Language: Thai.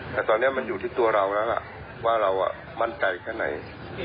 แต่ตอนนี้มันอยู่ที่ตัวเราแล้วล่ะว่าเรามั่นใจแค่ไหน